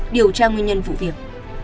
điều tra nguyên nhân vụ việc